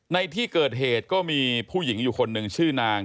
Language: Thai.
ในที่เกิดเหตุก็มีผู้หญิงอยู่คนหนึ่งชื่อนาง